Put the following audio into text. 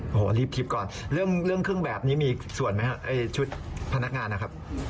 โอ้โหรีบคิดก่อนเรื่องเครื่องแบบนี้มีส่วนไหมครับชุดพนักงานนะครับ